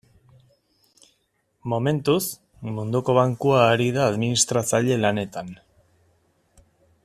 Momentuz, Munduko Bankua ari da administratzaile lanetan.